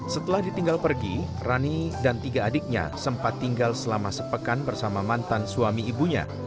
setelah ditinggal pergi rani dan tiga adiknya sempat tinggal selama sepekan bersama mantan suami ibunya